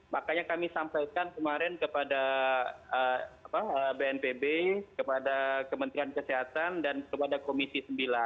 makanya kami sampaikan kemarin kepada bnpb kepada kementerian kesehatan dan kepada komisi sembilan